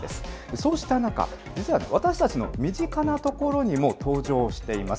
そうした中、実は私たちの身近な所にも登場しています。